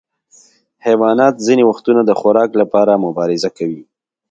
حیوانات ځینې وختونه د خوراک لپاره مبارزه کوي.